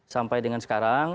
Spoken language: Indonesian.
sampai dengan sekarang